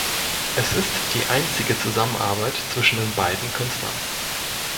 Es ist die einzige Zusammenarbeit zwischen den beiden Künstlern.